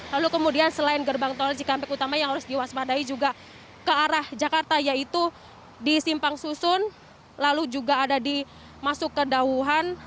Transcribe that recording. lalu kemudian selain gerbang tol cikampek utama yang harus diwaspadai juga ke arah jakarta yaitu di simpang susun lalu juga ada di masuk ke dauhan